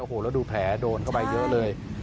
โอ้โหแล้วดูแผลโดนเข้าไปเยอะเลย